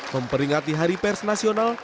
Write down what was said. memperingati hari pers nasional